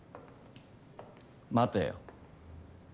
待てよ。